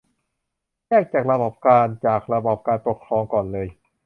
แยกระบบราชการจากระบอบการปกครองก่อนเลย